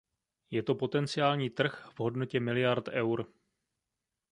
Je to potenciální trh v hodnotě miliard eur.